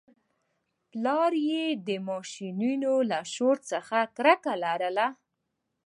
پلار یې د ماشینونو له شور څخه کرکه لرله